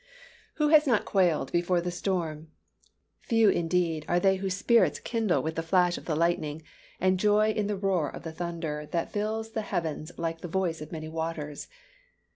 Who has not quailed before the storm? Few, indeed, are they whose spirits kindle with the flash of the lightning, and joy in the roar of the thunder, that fills the heavens like the voice of many waters.